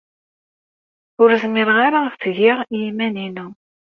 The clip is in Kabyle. Ur zmireɣ ara ad t-geɣ i yiman-inu.